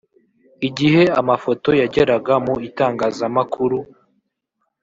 Igihe amafoto yageraga mu itangazamakuru